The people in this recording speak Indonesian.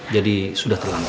jadi sudah terlambat